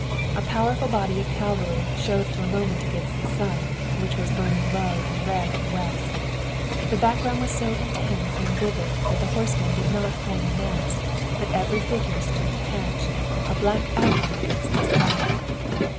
A powerful body of cavalry showed for a moment against the sun, which was burning low and red in the west. The background was so intense and vivid that the horsemen did not form a mass, but every figure stood detached, a black outline against the sky.